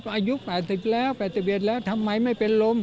อายุ๘๐แล้ว๘๐เวี้ยแล้วทำไมไม่เป็นลม